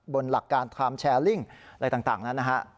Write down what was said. บนหลักการความแชร์ลิงค์อะไรต่างนะฮะ